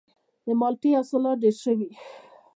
د مالټې حاصلات ډیر شوي؟